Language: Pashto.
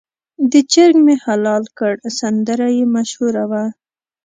د چرګ مې حلال کړ سندره یې مشهوره وه.